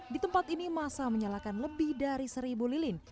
di tempat ini masa menyalakan lebih dari seribu lilin